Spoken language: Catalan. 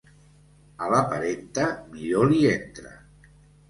A la parenta, millor li entra.